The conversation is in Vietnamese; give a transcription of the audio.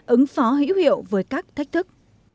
ứng phó hữu hiệu với các thách thức